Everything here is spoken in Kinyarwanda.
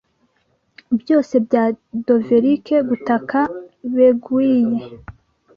Byose bya dovelike gutaka beguile